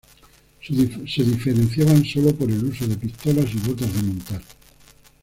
Se diferenciaban sólo por el uso de pistolas y botas de montar.